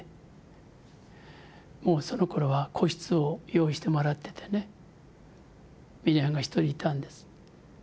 もうそのころは個室を用意してもらっててねミネヤンが一人いたんです。